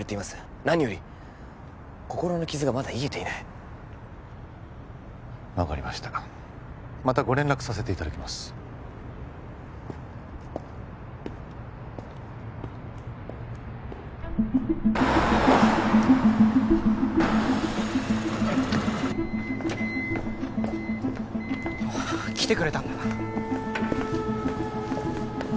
何より心の傷がまだ癒えていない分かりましたまたご連絡させていただきますああ来てくれたんだ